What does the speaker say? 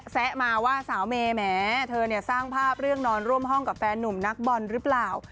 แซะมาว่าสาวเมแมสร้างภาพเรื่องนอนร่วมห้องกับแฟนนุ่มนักบอลรึเปล่า